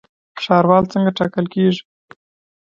ښاروال څنګه ټاکل کیږي؟